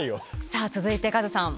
さぁ続いてカズさん